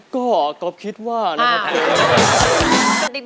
ก็อ๋อกรอฟคิดว่านะครับคุณ